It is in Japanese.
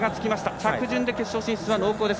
着順で決勝進出は濃厚です。